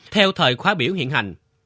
theo thời khóa biểu hiện hành